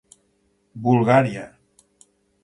Bulgària.